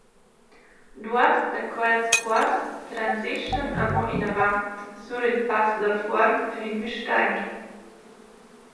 Duos da quels cuors transischan amo inavant sur il Pass dal Fuorn fin Müstair.